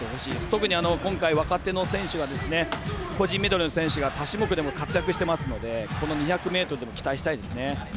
特に今回、若手の選手が個人メドレーの選手が多種目でも活躍してますのでこの２００ｍでも期待したいです。